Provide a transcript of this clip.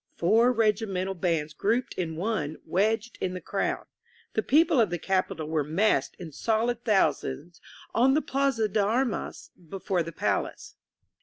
Four regi mental bands grouped in one wedged in the crowd. The people of the capital were massed in solid thousands on the Plaza de Armas before the palace.